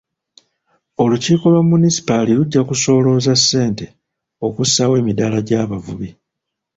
Olukiiko lwa munisipaali lujja kusolooza ssente okussaawo emidaala gy'abavubi.